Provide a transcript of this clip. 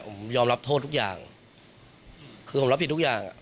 ผมยอมรับโทษทุกอย่างคือผมรับผิดทุกอย่างอ่ะ